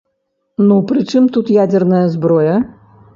Ну пры чым тут ядзерная зброя?